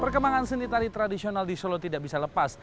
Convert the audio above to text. perkembangan seni tari tradisional di solo tidak bisa lepas